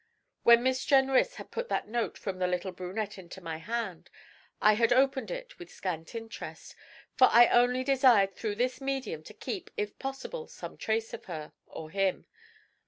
When Miss Jenrys had put that note from the 'little brunette' into my hand, I had opened it with scant interest, for I only desired through this medium to keep, if possible, some trace of her or him.